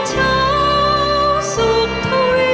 เช้าสุขทวี